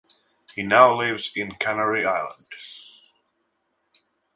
He now lives in the Canary Islands.